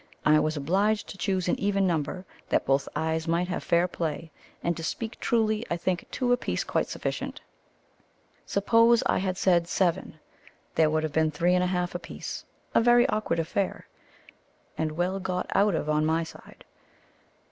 I was obliged to choose an even number, that both eyes might have fair play, and to speak truly I think two apiece quite sufficient. Suppose I had said seven, there would have been three and a half apiece a very awkward affair, and well got out of on my side.